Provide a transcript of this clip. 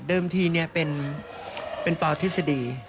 เดิมทีนี้เป็นปลอทฤษฎี